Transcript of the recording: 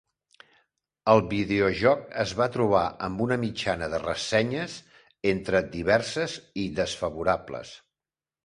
El videojoc es va trobar amb una mitjana de ressenyes entre diverses i desfavorables.